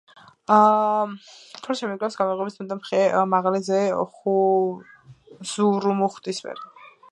თვალს ჩამიკრავს გამიღიმებს მუდამ ხე მაღალი ხე ზურმუხტისფერი